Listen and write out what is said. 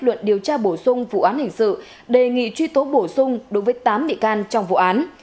luận điều tra bổ sung vụ án hình sự đề nghị truy tố bổ sung đối với tám bị can trong vụ án